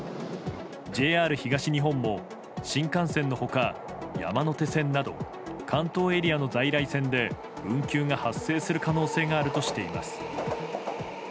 ＪＲ東日本も新幹線の他、山手線など関東エリアの在来線で運休が発生する可能性があるとしています。